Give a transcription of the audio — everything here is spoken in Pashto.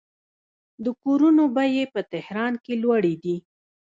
د کورونو بیې په تهران کې لوړې دي.